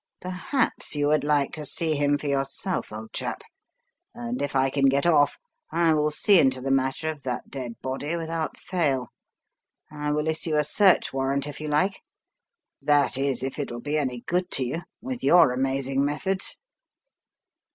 Perhaps you would like to see him for yourself, old chap, and if I can get off I will see into the matter of that dead body with out fail. I will issue a search warrant if you like. That is, if it'll be any good to you, with your amazing methods!"